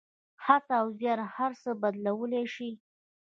هڅه او زیار هر څه بدلولی شي.